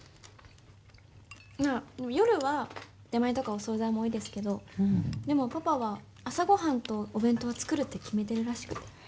まあ、夜は出前とかお総菜も多いですけどでも、パパは朝ごはんとお弁当は作るって決めてるらしくて。